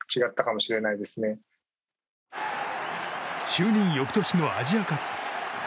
就任翌年のアジアカップ。